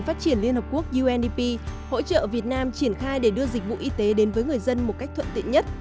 phát triển liên hợp quốc undp hỗ trợ việt nam triển khai để đưa dịch vụ y tế đến với người dân một cách thuận tiện nhất